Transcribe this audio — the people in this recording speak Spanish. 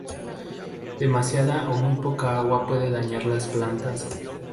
Demasiada o muy poca agua puede dañar las plantas.